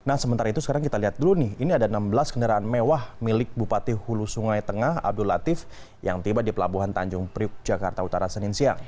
nah sementara itu sekarang kita lihat dulu nih ini ada enam belas kendaraan mewah milik bupati hulu sungai tengah abdul latif yang tiba di pelabuhan tanjung priuk jakarta utara senin siang